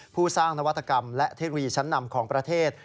ผู้สร้างนวัตกรรมและเทคโนโลยีชั้นนำของประเทศ